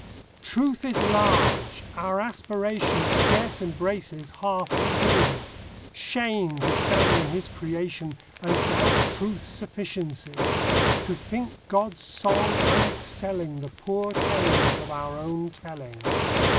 Truth is large. Our aspiration Scarce embraces half we be. Shame ! to stand in His creation And doubt Truth's sufficiency! To think God's song unexcelling The poor tales of our own telling.